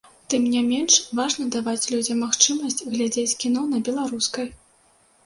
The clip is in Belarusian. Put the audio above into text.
Тым не менш, важна даваць людзям магчымасць глядзець кіно на беларускай.